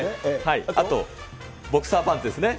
あとボクサーパンツですね。